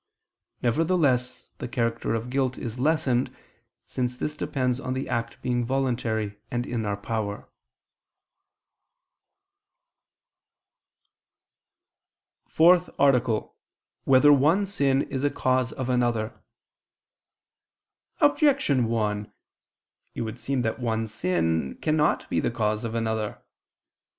Nevertheless the character of guilt is lessened, since this depends on the act being voluntary and in our power. ________________________ FOURTH ARTICLE [I II, Q. 75, Art. 4] Whether One Sin Is a Cause of Another? Objection 1: It would seem that one sin cannot be the cause of another.